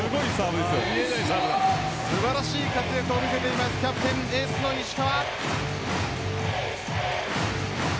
素晴らしい活躍を見せているキャプテン、エースの石川。